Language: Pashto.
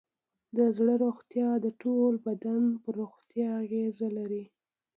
د زړه روغتیا د ټول بدن پر روغتیا اغېز لري.